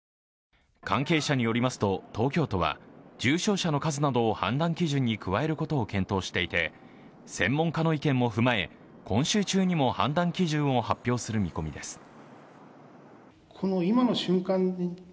関係者によりますと東京都は重症者の数などを判断基準に加えることを検討していて、専門家の意見も踏まえ、今週中にも判断基準を発表する見込みです。